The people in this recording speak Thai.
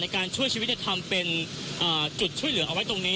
การช่วยชีวิตทำเป็นจุดช่วยเหลือเอาไว้ตรงนี้